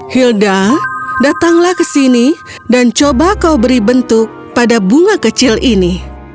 hilda datanglah ke sini dan coba kau beri bentuk pada bunga kecil ini